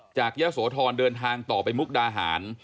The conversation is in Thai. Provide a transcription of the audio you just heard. ยะโสธรเดินทางต่อไปมุกดาหาร